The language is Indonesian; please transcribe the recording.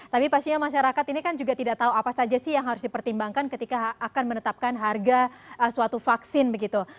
tapi pastinya masyarakat ini kan juga tidak tahu apa saja sih yang harus dipertimbangkan ketika akan menetapkan harga suatu vaksin begitu